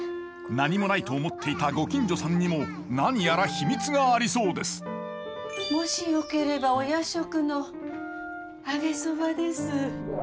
何もないと思っていたご近所さんにも何やら秘密がありそうですもしよければお夜食の揚げそばです。